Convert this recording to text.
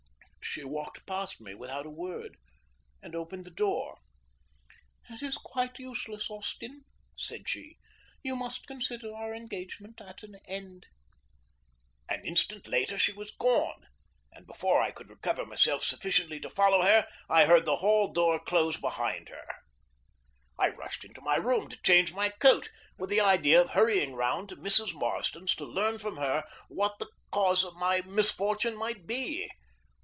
She walked past me without a word and opened the door. "It is quite useless, Austin," said she. "You must consider our engagement at an end." An instant later she was gone, and, before I could recover myself sufficiently to follow her, I heard the hall door close behind her. I rushed into my room to change my coat, with the idea of hurrying round to Mrs. Marden's to learn from her what the cause of my misfortune might be.